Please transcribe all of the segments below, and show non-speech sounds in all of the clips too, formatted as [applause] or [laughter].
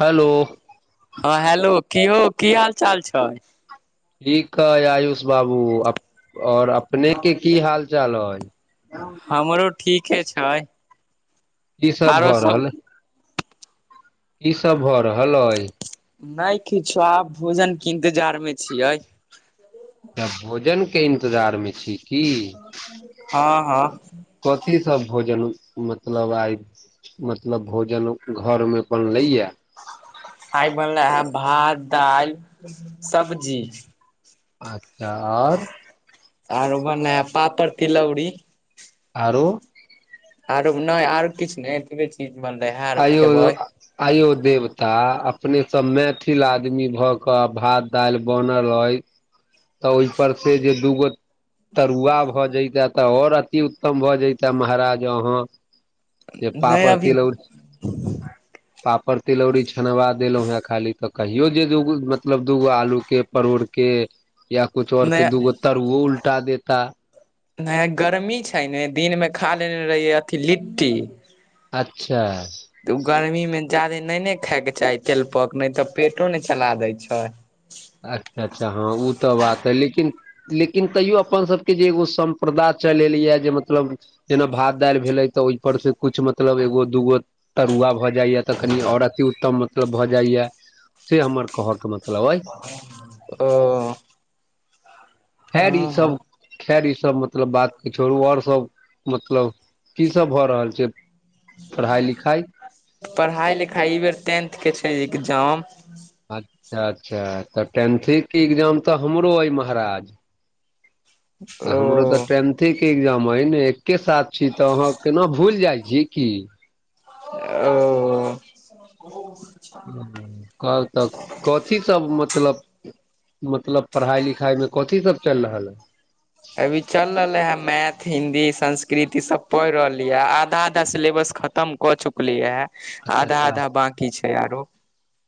हलो हँ हेलो, कि यौ की हाल चाल छै? ठीक हइ आयुष बाबू अपन ओर अपने कऽ की हाल चाल हइ? हमरो ठीके छैय की सब भऽ रहल? क सब भऽ रहल अइ? नहि किछो, आब भोजन कऽ इंतजार मे छियै अच्छा तऽ भोजनके इन्तजारमे छी की हँ हँ कथी सभ भोजन मतलब आइ? मतलब भोजन घर मे बनलेया। आइ बनले है भात, दाइल, सब्जी। अच्छा आर आरो बने ह पापड़, तिलौरी आरो आरो नहि, आरो किछु ने, एतबे चीज बनले ह आरो खेबै आइयो देवता अपनेसँ मैथिल आदमी भऽ कऽ भाद दाइल बनल रहय, तऽ ओहि पर से जे दूग तरुआ भ जइत तऽ ओर अति उत्तम भए जइ तऽ महाराज अहाँ जे नहि पापड़, अभी तिलोड़ी पापड़, तिलौड़ी छनबा देलहूँ खाली त कहियो जे दूगो ऊ मतलब दूगो आलू के, परोड़के य कुछ और के दूगो नहि तरुओ उलटा देता नहि गर्मी छै ने, दिन मे खा लेने रहिये अथि लिट्टी अच्छा। तऽ गर्मी मे जादे नहि ने खाय के चाही तेलपक, नहि तऽ पेटो ने चला दै छै। अच्छा अच्छा हँ ओ तऽ बात है लेकिन। लेकिन तैयो अपन सभके जे एगो सम्प्रदा चलि एलैए जे मतलब। जेना भात, दाइल भेलै तऽ ओहिपर से कुछु मतलब एगो दूगो तरुआ भऽ जाइए तऽ कनि आओर अति उत्तम मतलब भऽ जाइए। से हमर कहऽके मतलब अइ। ओ। हैड ई हँ सभ हँ खैर ईसभ मतलब बात छैर आओर सभ मतलब की सभ भऽ रहल छै पढ़ाइ लिखाइ। पढ़ाइ लिखाइ ई बेर टेथ के छै एग्जाम अच्छा अच्छा तऽ टेथे के एग्जाम तऽ हमरो अइ महाराज [inaudible] हमरो तऽ टे अ के एग्जाम हय ने एके साथ छी त अहाँ केना भूल जाइ छियै की ओ कहल तऽ कथी सभ मतलब मतलब पढ़ाई लिखाई मे कथी सभ चल रहल है अभी चल रहले है मैथ हिन्दी संस्कृत ई सभ पढ़ रहली है आधा आधा सिलेबस खत खतम कऽ चुकलियै हे अच्छा आधा अच्छा आधा बकी छै आरो।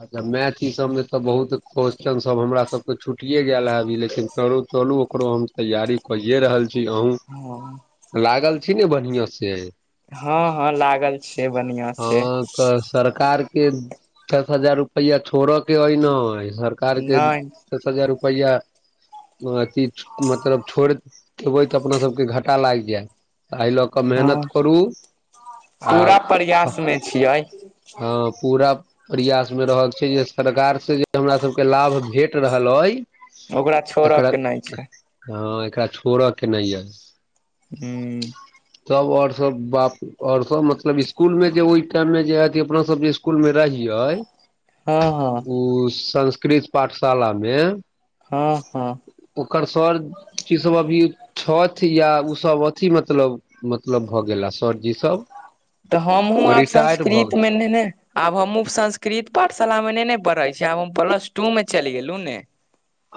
अच्छा मैथ ईसभमे तऽ बहुत क्वेस चनसभ हमरासके छुटिए गेल हँ अभी लेकिन तरुत चलू ओकरो हम तैयारी कहि रहल छी अ हँ लागल छी ने बढ़िआ से हँ हँ लागल छियै बढ़िआँ ह से तऽ सरकार के दस हजार रुपैआ छोड़ऽ के हइ ने सरकार के नहि दस हजार रुपैआ। अथी मतलब छोड़ि देबै तऽ अपना सभके घाटा लागि जायत तऽ एहि लऽ कऽ मेहनत हँ करू पूरा प्रयास मे छियै हँ पूरा। प्रयास मे रहक छै जे सरकार से जे हमरा सभके लाभ भेट रहल आइ ओकरा छोड़ऽ एकरा के नहि छै हँ एकरा छोड़य के नहि यइ। हू सब और सब बाप और सब मतलब स्कूल में जे ओहि टाइम में जे ह अपना सब स्कूल में रहहि हँ हँ ओ संस्कृत पाठशाला मे हँ हँ ओकर सर की सब अभी छथि या ओसभ अथिी मतलब मतलब भऽ गेला सरजी सब तऽ हमहूँ आब रिटायर भऽ गेल संस्कृतमे ने ने आब हमहू संस्कृत पाठशाला मे नहि ने पढ़ै छीिय आब हम प्लस टू मे चलि गेलहु ने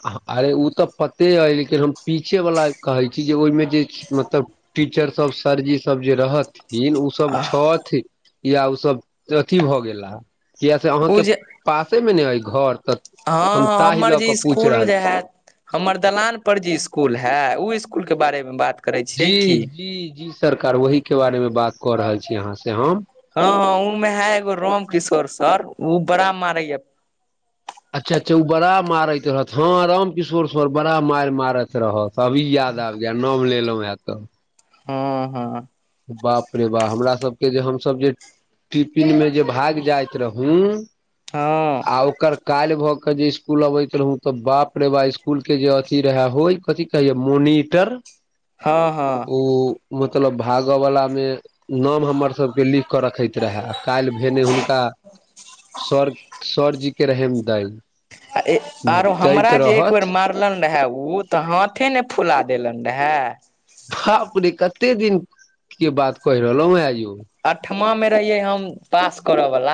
अरे ओ तऽ पते अइ लेकिन हम पीछे वला कहै छी जे ओहिमे जे मतलब टीचर सब सरजी सब जे रहथिन ओ सब छथि या ओसभ अथी भऽ गेला किया से ओ अहाँके जे पासे मऽ नऽ अय घर तऽ हँ हम हँ ताहि हमर लऽ कऽ जे पूछि स्कूल रहल जे है हमर दलान पर जी स्कूल है उ स्कूल कऽ छी बारे में बात करै छियै जी की जी जी सरकार ओहि कऽ बारे मे बात कऽ रहल छी अहाँ से हम हँ हँ उमें है एगो राम किशोर सर ओ बड़ा मारै यऽ अच्छा अच्छा ओ बड़ा मारैत रहत हं राम किशोर सर बड़ा मार मारत रहऽ अभी याद आब गेल नाम लेलहुँ हेँ तऽ हँ हँ बाप रे बाप हमरा सबके जे हमसभ जे टिफिन में जे भाग जाइत रहू हँ आ ओकर काल्हि भऽ कऽ जे स्कुल अबैत रहौ तऽ बाप रे बाप स्कुलके जे अथी रहै होइ कथी कहियौ मोनीटर हँ हँ ओ मतलब भागऽ वला मऽ नाम हमरसभके लिख कऽ रखैत रहए काल्हि भेने हुनका सर सरजी के रहम दइ आरो हमरा जे एक बेर मार फलनि रहे ओ तऽ हाथे नऽ फुला देलन रहेय बाप रे कते दििन कऽ बात कहि रहलहु हें यो अठमा मऽ रहियै हम पास करयवला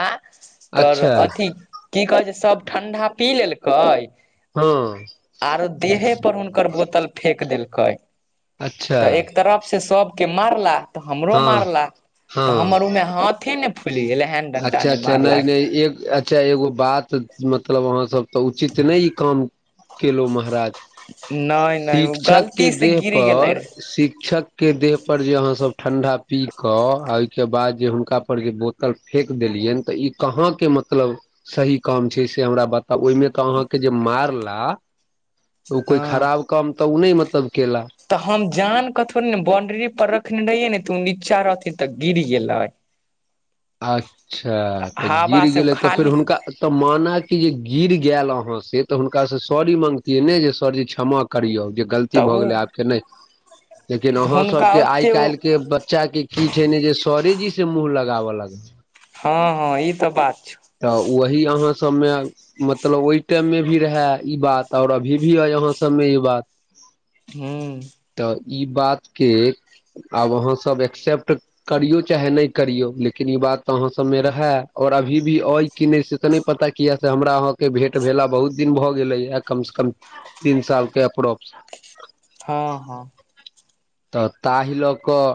तो अच्छा अथी की कहै छै सभ ठं्डा पी लेलकै हँ आरो देहे पर हुनकर बोतल फेेक देलकै अच्छा तऽ एक तरफ सऽ सब के मारला तऽ हमरो हँ मारला तऽ हँ हमर उमे हाथे नऽ फुलि गेलै हेन डंटा अच्छा ने अच्छा मारले नहि नहि एक अच्छा एगो बात मतलब अहाँ सब तऽ उचित नहि ई काम केलहु महाराज नहि नहि ओ शिक्षक के गलती से देह गिर गेलै पर रहे शिक्षक के देह पर जे अहाँ सब ठण्डा पीक कऽ आओर ओहिके बाद जे हुनका पर जे बोतल फेक देलियअनि तऽ ई कहाँ के मतलब सही काम छै से हमरा बता तऽ ओहिमे तऽ अहाँके जे मारला तऽ ओ कोई हँ खराब कम तऽ ओ नहि मतलब केला तऽ हम जान के थोड़ी बाउंड्री पर रखने रहियै ने तऽ नीचा रहथि तऽ गिर गेले [inaudible] अच्छा त गिर से गेलै तऽ फेर खाली हुनका तऽ मान कि जे गिर गेल अहाँ से तऽ हुनका से सर ई माँगतियै ने जे सरज छमक करियौ जे गलती तऽ भऽ गेलै आब ओ के नहि लेकिन अहाँ हुनका सभके आइ ओते ओ काल्हि के बच्चा के कि छै ने जे सरेजी से मुँह लगाबय लग ह ह ई तऽ बात छौ तऽ वही अहाँ सभमे मतलब ओहि टाइम मे भी रहै ई बात आओर अभी भी हइ यहाँ सभमे ई बात हू। तऽ ई बात के आब अहाँ सभ एक्सेप्ट करियौ चाहे नहि करियौ लेकिन ई बात अहाँ सभमे रहै और अभी। भी अ कि नहि से तऽ नहि पता किया से हमरा अहाँकेँ भेट भेला बहुत दिन भऽ गेलैय कम से कम तीन साल के अप्रोप्स। ह ह तऽ ताहि लोक कऽ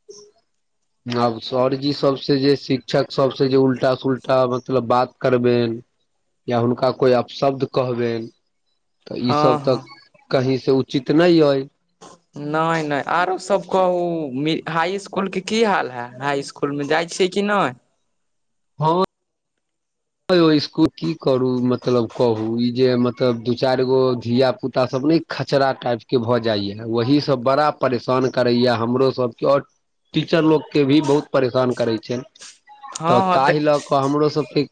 [inaudible] आब सरजी सभसँ जे शिक्षक सभसँ जे उल्टा सु उल्टा मतलब बात करबे या हुनका कोई अपशब्द कहबनि। तऽ हँ ईसभ तऽ हँ कही से उचित नहि आइ नहि नहि आरो सभ कहू हाई इकुल के की हाल है हाई इकूल इसकुल मे जाइ छियै कि नहि ह ह यौ इसकुल की करू मतलब कहू ई जे मतलब दू चारि गो धिया पुता सभ नहि खचरा टाइपके भ जाइए ओहीसभ बड़ा परेशान करैए हमरोसभके आओर टीचर लोकके भी बहुत परेशान करैत छै हँ तऽ हँ ताहि लऽ कऽ हमरोसभके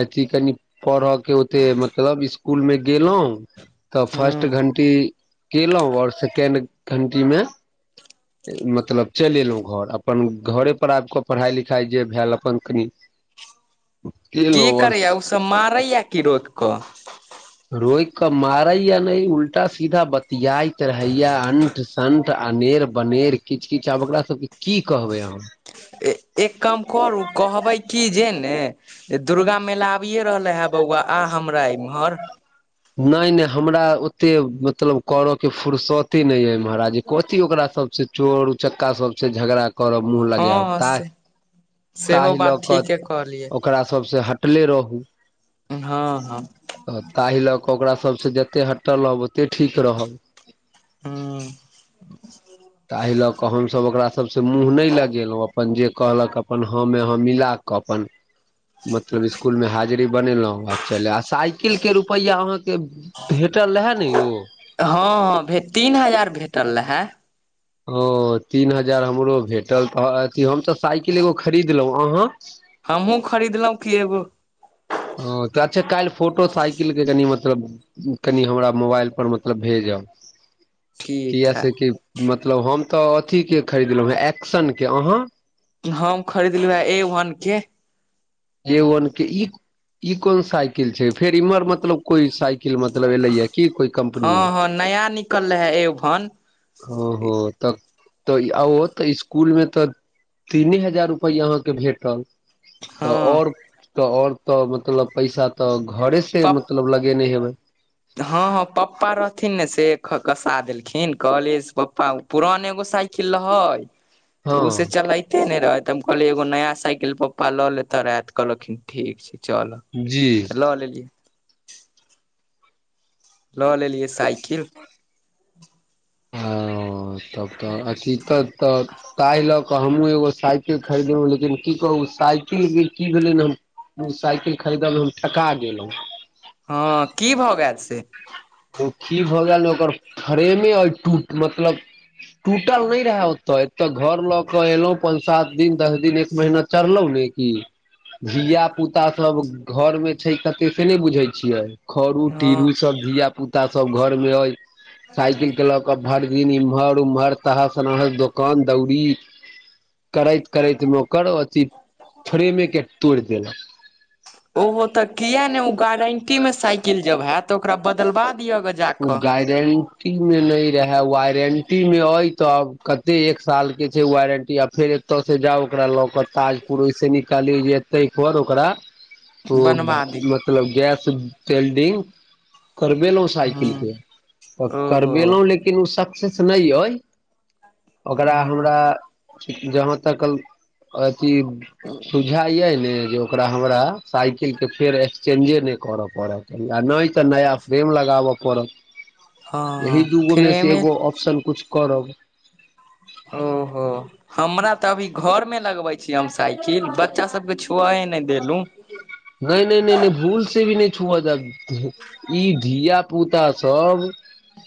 अथी कनि पढ़य के ओते मतलब स्कुल मे गेलहूँ तऽ फर्स्ट ह घंटी कयलहुँ आओर सेकेण्ड घण्टी मे [inaudible] मतलब चलि एलहुँ घर अपन घरे पर आबि कऽ पढ़ाइ लिखाइ जे भेल अपन कनि केलहुँ कि करैया आओर ओसभ मारैया क रोक कऽ रोकि कऽ मारैया नहि उल्टा सीधा बतियाइत रहैया आ संन्ठ अनेर बनेर किछु किछु आब ओकरा सभके की कहबै अह एक कम करू कहबै कि जे ने दुर्गा मेला आबिए रहले है बौआ आ हमरा इम्हर नहि नहि हमरा ओते मतलब कर के फुुरसते नहि य महाराज कथी ओकरा सभ से चोर उचक्का सभ से झगड़ा करब मुँह हँ लगायब हँ ता से सेहो ताहि लऽ बात कऽ ठीके कहलियै। ओकरा सभसँ हटले रहू ह ह तऽ ताहि लऽ कऽ ओकरा सभसँ जतेक हटल रहब ओतेक ठीक रहब। ह तै लऽ कऽ तऽ हमसभ ओकरा सभसँ मुँह नहि लगेलहुँ अपन जे कहलक अपन ह मे हा मिलाक अपन मतलब इसकुलमे हाजरी बनेलहुँ आ चल आ साइ। साइकिल के रुपैआ अहाँकेँ भेटल रहे ने य ह ह भे तीन हजार भेटल रहे ओ तीन हजार हमरो भेटल तऽ अथि हम त साइकिल एगो खरीदलहूँ अहाँ हमहूँ खरीद लहु कि एगो। ह त अच्छा काल्हि फोटो साइकिल के कनि मतलब कनि हमरा मोबाइल पर मतलब भेजब। ठीक किया है से कि मतलब हम तऽ अथिी के खरीदलहूँ हे एक्शन के अहाँ हम खरीदलॅ हे ए वन के ए वन के ई कोन साइकिल छै फेर इम्हर मतलब कोई साइकिल मतलब एलै हैं की कोइ कम्पनी हँ हँ नया निकल रहे है ए वन ओ हो तब तऽ आ त इसकुल मे तऽ तीने हजार रुपैआ अहाँकेँ भेटल तऽ ओर हँ तऽ ओर मतलब पैसा तऽ घरे से मतलब लगेने हेबै ह ह पप्पा रहथिन ने से कसा देलखिन कहलियै से पप्पा पुरान एगो साइकिल रहै तऽ उस हँ चल के ने रहेत हम कहल एगो नया साइकिल पप्पा लऽ लेते रह कहलखिन ठीक छै चल। जी। लऽ लेलिए लऽ लेलि साइकिल तब तऽ अथि तऽ तहिल हमहूँ एगो साइकिल खरीदलहुँ लेकिन कि कह ओ साइकिलके कि भेलनि साइकिल खरीदऽ हम ठका गेलहूँ हँ कि भऽ गेल से ओ कि भऽ गेल ने ओकर फ्रेमे अ टूट मतलब टूटल नहि रहा होत। त घर लऽ क एलहुँ पाँच सात दिन दस दिन एक महीना चढ़लहुँ ने कि धिया पुता सभ घर मे छै कते से नहि बुझे छियै खरू तीरू हँ सभ धिय पुता सभ घर मे अइ साइकिल के लऽ कऽ भरि दिन एम्हर ओम्हर तह सनहस दोकान दौरी करैत करैत मे ओकर अथी फ्रेमे के तोड़ि देलकऽ ओहो तऽ किया ने ओ गारंटी में साइकिल जब हैत त ओकरा बदलवा दिया [unintelligible] वारण्टीमे नहि रहै वारण्टीमे अछि तऽ कते एक सालके छै वारण्टी आब फेर एतय से जाउ ओकरा लऽ कऽ ताजपुर ओहिस निकालियी जे एते पर ओकरा ओ बनवा दिय मतलब गैस तेलडिंग करबेल सा। हँ त ओहो करबेलहूँ लेकिन ओ सक्सेस नहि अइ ओकरा हमरा जहाँ तक अथि सुझा ये ने जे ओकरा हमरा साइकिल के फेर एक्सचेंजे नहि करऽ पड़त। नहि तऽ नया फ्रेम लगाब करब, एहि हँ दूगो मे से फ्रेमे एगो ऑप्शन कुछु करब। ओहो हमरा तऽ अभी घर मे लगबे छिय। हम साइकिल बच्चा सभके छुआए नहि देलू नहि नहि नहि भूल से भी नहि छुआ जा। ई धिय पुता सभ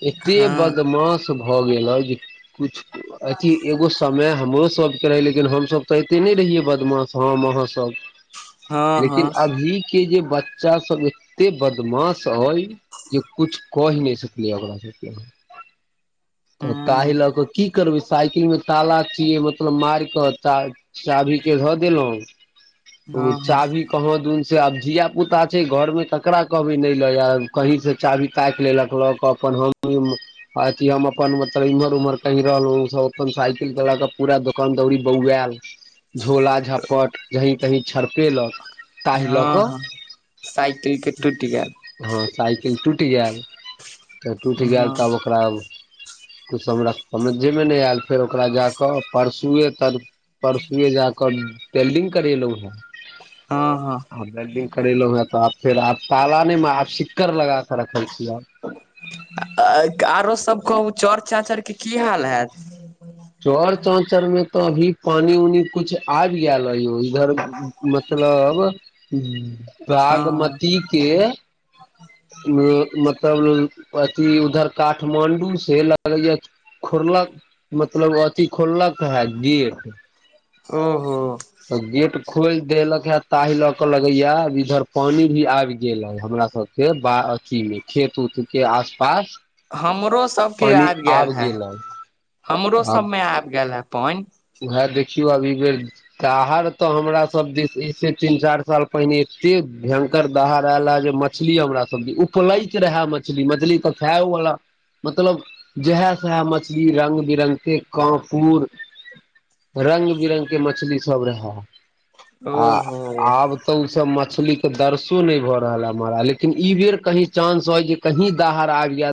एते हँ बदमाश भऽ गेल ह जे कछ अथी एगो समय हमरो सभके रहै लेकिन हमसभ तऽ एते नहि रहियै। बदमाश हम अहाँ सभ हँ हँ लेकिन अभी के जे बच्चा सभ एते बदमाश हय। जे कुछ कही नऽ सकलियै ओकरा सब [inaudible] तऽ ताहि लऽ कऽ की करबै साइकिल में ताला छिये। मतलब मार कऽ चा चाभी के धऽ देलहुं ओ हँ हँ चाभी कहाँ दून से आब धिया पुता छै। घर मऽ तऽ करा कहबै नहि ल कहीं से चाभी ताकि लेलक ल अपन हम अथी हम अपन मतलब इम्हर उम्हर कहि रहल सब अपन साइकिल चलााक पूरा दुोकान दौरीी बौआल झोला झपट कहीं कहीं छरपेलक ताहि लऽ हँ कऽ हँ सइकिल के टूटि गेल। हँ साइकिल टूटि गेलय तऽ टूटि गेल हँ तब ओकरा किछु हमरा समझेमे नहि आयल फेर ओकरा जा कऽ परसुए त परसुए जा कऽ ओकर वेल्डिंग करेलहुं हेँ हँ हँ आ बडिंग करेलो हैं तऽ फर तालान मे सिक्करर लगााक रखल छियै। आरो सब कहू चर चाचरके की हाल हयैत। चर चाँचर में तऽ अभी पानि उनी कुछ आबि गेल। ह यौ इधर मतलब हँ बागमती के मतलब अथी उधर काठमाण्डू सऽ लगै या खर्ला मतलब अथी खोललक है। गेट ओहो तऽ गेट खोलि देलक हे ताहि लऽ के लगैया। इधर पानी भी आबि गेल हे। हमरा सब के ब अथमे खेत उत के आस पास हमरो सबके आबि गेल हे। हमरो आब सबमे आबि गेल हे। पानि उएह देखियौ अभ ई बेर दहार तऽ हमरा सब दिस तीन चार साल पहिने एते भयंकर दहड़ आयल हे। जे म मछली हमरा सभ उपलैत रहए मछली मछली तऽ खायओवला मतलब जहे सहे मछली रंग बिरंग से काफुर रंग बिरंग कऽ मछली सब रहे। आ ओहो आब तऽ ओसभ मछली के दर्शो नहि भऽ रहल ह मरा लेकिन ई बेर कही चानंस ह जे कहीँ दाहर आबि जाय।